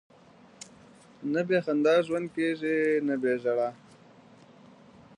نه بې خندا ژوند کېږي، نه بې ژړا.